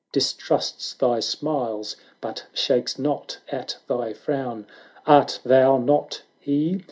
Distrusts thy smiles, but shakes not at thy frown. Art thou not he?